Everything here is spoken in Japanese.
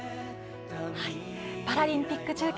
パラリンピック中継